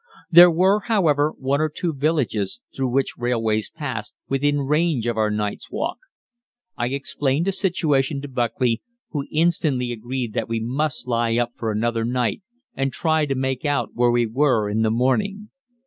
There were, however, one or two villages, through which railways passed, within range of our night's walk. I explained the situation to Buckley, who instantly agreed that we must lie up for another night and try to make out where we were in the morning.